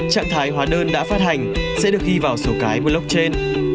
trạng thái hóa đơn đã phát hành sẽ được ghi vào sổ cái blockchain